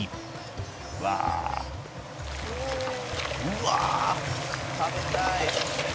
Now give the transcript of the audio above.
「うわっ食べたい」